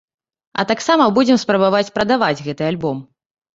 А таксама будзем спрабаваць прадаваць гэты альбом.